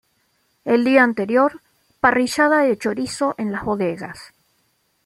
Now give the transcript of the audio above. El día anterior: parrillada de chorizo en las bodegas.